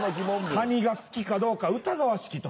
カニが好きかどうか疑わしき時。